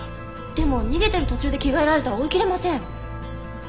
でも逃げてる途中で着替えられたら追いきれません。